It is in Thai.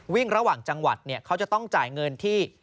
วิ่งระหว่างจังหวัดเขาจะต้องจ่ายเงินที่